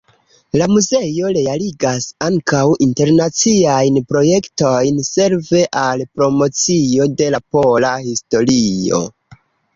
La muzeo realigas ankaŭ internaciajn projektojn, serve al promocio de la pola historio.